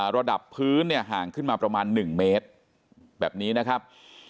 ระดับพื้นเนี่ยห่างขึ้นมาประมาณ๑เมตรแบบนี้นะครับ